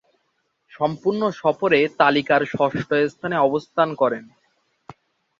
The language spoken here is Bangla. সম্পূর্ণ সফরে তালিকার ষষ্ঠ স্থানে অবস্থান করেন।